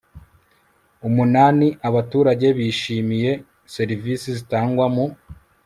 umunani abaturage bishimiye serivisi zitangwa mu